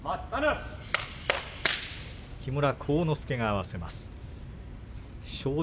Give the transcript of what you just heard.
木村晃之助が合わせます。